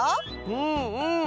うんうん。